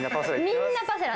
みんな「パセラ」。